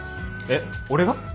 えっ俺が？